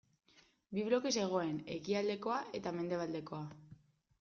Bi bloke zegoen ekialdekoa eta mendebaldekoa.